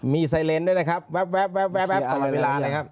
มีไซเลนส์ด้วยนะครับแว๊บแว๊บแว๊บแว๊บแว๊บตอนเวลานะครับ